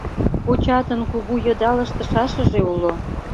Кочатын кугу йыдал ыштышашыже уло.